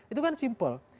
itu kan simpel